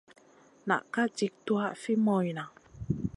Na ka jik tuwaʼa fi moyna.